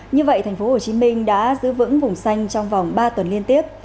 như vậy thành phố hồ chí minh đã giữ vững vùng xanh trong vòng ba tuần liên tiếp